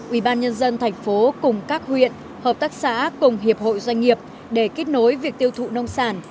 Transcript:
ubnd tp cùng các huyện hợp tác xã cùng hiệp hội doanh nghiệp để kết nối việc tiêu thụ nông sản